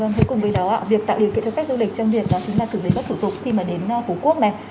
vâng thế cùng với đó ạ việc tạo điều kiện cho các du lịch trang biệt đó chính là xử lý các thủ tục khi mà đến phú quốc này